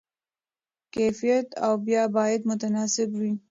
کیفیت او بیه باید متناسب وي.